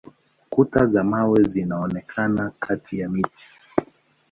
Kuta za mawe zinaonekana kati ya miti.